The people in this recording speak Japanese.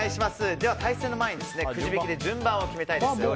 では、対戦の前にくじ引きで順番を決めます。